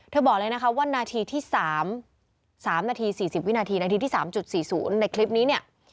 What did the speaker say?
เธอบอกว่านาทีที่๓๓๔๐นในคลิปนี้